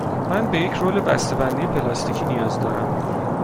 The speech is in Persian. من به یک رول بسته بندی پلاستیکی نیاز دارم.